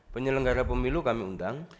penyelenggara pemilu kami undang